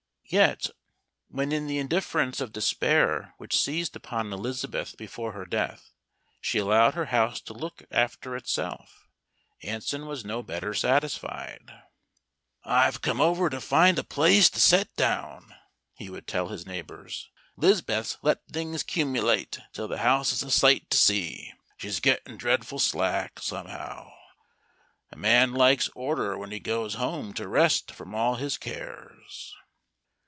Yet, when in the indifference of despair which seized upon Elizabeth before her death, she allowed her house to look after itself, Anson was no better satisfied. "I've come over to find a place to set down," he would tell his neighbors. "'Liz'beth's let things 'cumulate, till the house is a sight to see she's gettin' dreadful slack, somehow. A man likes order when he goes home to rest from all his cares."